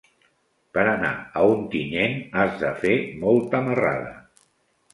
Per anar a Ontinyent has de fer molta marrada.